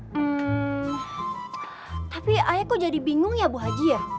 hmm tapi ayah kok jadi bingung ya bu haji ya